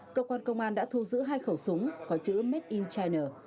cơ quan công an đã thu giữ hai khẩu súng có chữ metincharge